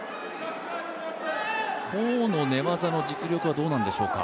ホの寝技の実力はどうなんでしょうか。